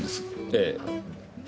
ええ。